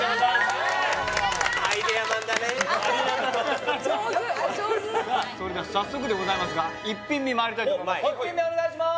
上手上手早速でございますが１品目まいりたいと思います